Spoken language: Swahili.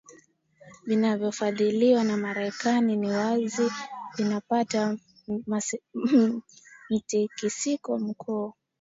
vinavyofadhiliwa na marekani ni wazi vitapata mtikisiko mkuu